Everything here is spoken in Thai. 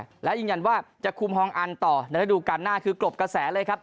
และยืนยันว่าจะคุมฮองอันต่อในระดูการหน้าคือกรบกระแสเลยครับ